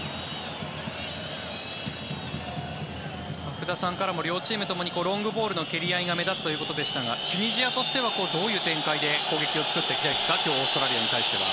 福田さんからも両チームともにロングボールの蹴り合いが目立つということでしたがチュニジアとしてはどういう展開で作っていきたいですか？